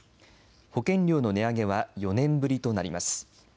保険料の値上げは４年ぶりとなります。